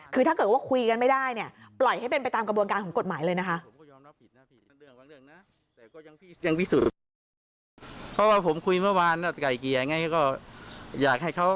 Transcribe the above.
คือถ้าเกิดว่าคุยกันไม่ได้เนี่ยปล่อยให้เป็นไปตามกระบวนการของกฎหมายเลยนะคะ